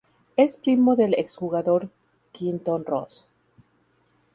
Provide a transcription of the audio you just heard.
Es primo del exjugador Quinton Ross.